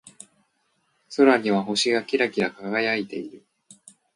空には星がキラキラ輝いている。